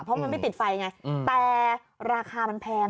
เพราะมันไม่ติดไฟไงแต่ราคามันแพง